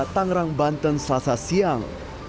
tangerang banten selasa siang